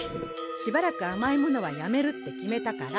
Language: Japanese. しばらくあまいものはやめるって決めたから。